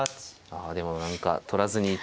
あでも何か取らずに１六角は。